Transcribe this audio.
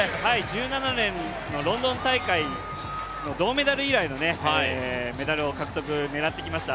１７年のロンドン大会の銅メダル以来のメダルの獲得狙ってきました。